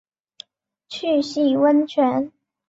去洗温泉